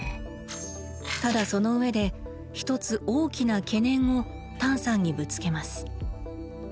ただその上で一つ大きな「懸念」をタンさんにぶつけます。